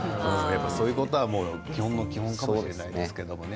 そういうことは基本の基本かもしれないですけどね。